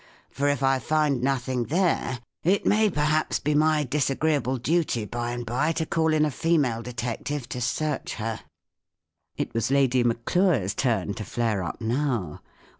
For if I find nothing there, it may perhaps be my disagreeable duty, by and by, to call in a female detective to search her." It was Lady Maclure's turn to flare up now.